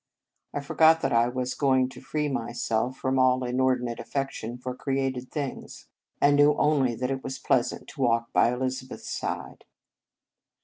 I forgot that I was going to free myself from all inordinate af fection for created things, and knew 86 In Retreat only that it was pleasant to walk by Elizabeth s side.